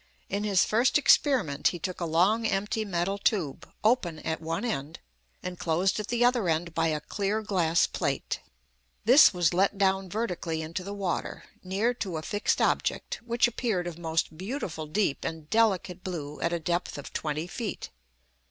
In his first experiment he took a long empty metal tube, open at one end, and closed at the other end by a clear glass plate. This was let down vertically into the water, near to a fixed object, which appeared of most beautiful deep and delicate blue at a depth of 20 feet.